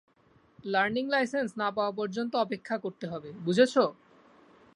Learning license না পাওয়া পর্যন্ত অপেক্ষা করতে হবে, বুঝেছ?